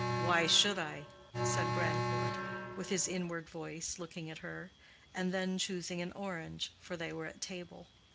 "Why should I?" said Grandcourt, with his inward voice, looking at her, and then choosing an orange—for they were at table.